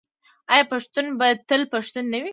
آیا پښتون به تل پښتون نه وي؟